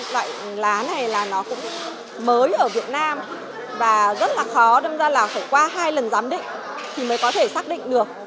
chất ma túy này cũng mới ở việt nam và rất là khó đâm ra là phải qua hai lần giám định thì mới có thể xác định được